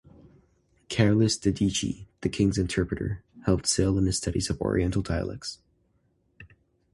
Carolus Dadichi, the king's interpreter, helped Sale in his studies of oriental dialects.